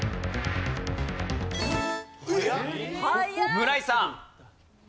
村井さん。